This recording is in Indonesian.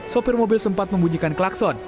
sopir mobil sempat membunyikan klakson